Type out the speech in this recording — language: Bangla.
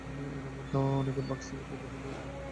এরই মধ্যে অনেক বাক্স থেকে বাচ্চা ফুটে বিলের পানিতে চলে গেছে।